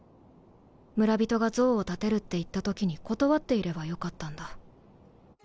村人が像を建てるって言った時に断っていればよかったんだ。